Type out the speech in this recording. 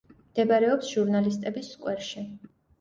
მდებარეობს ჟურნალისტების სკვერში.